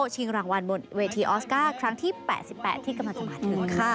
ชิงรางวัลบนเวทีออสการ์ครั้งที่๘๘ที่กำลังจะมาถึงค่ะ